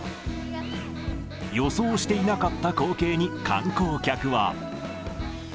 予想していなかった光景に、観光客は。